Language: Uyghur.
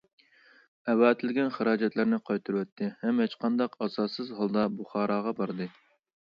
ئەۋەتىلگەن خىراجەتلەرنى قايتۇرۇۋەتتى ھەم ھېچقانداق ئاساسسىز ھالدا بۇخاراغا باردى.